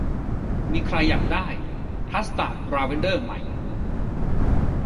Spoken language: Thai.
มีใครอยากได้คัสตาร์ดลาเวนเดอร์ไหม